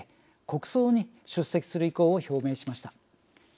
国葬に出席する意向を表明しました。